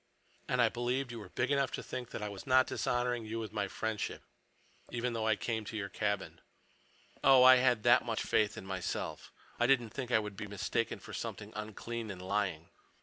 And I believed you were big enough to think that I was not dishonoring you with my—friendship, even though I came to your cabin. Oh, I had that much faith in myself—I didn't think I would be mistaken for something unclean and lying!"